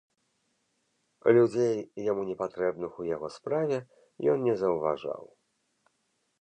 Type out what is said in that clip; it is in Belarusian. Людзей, яму непатрэбных у яго справе, ён не заўважаў.